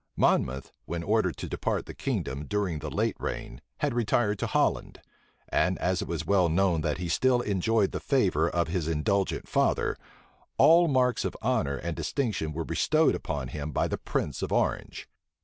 Monmouth, when ordered to depart the kingdom, during the late reign, had retired to Holland; and as it was well known that he still enjoyed the favor of his indulgent father, all marks of honor and distinction were bestowed upon him by the prince of Orange.